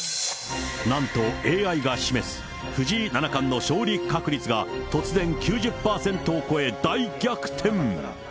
なんとＡＩが示す、藤井七冠の勝利確率が突然９０％を超え、大逆転。